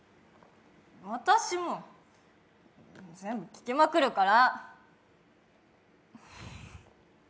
私も全部聞きまくるから！